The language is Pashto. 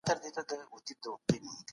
د حکومت بودیجه د پوهنې لپاره کافي نه وه.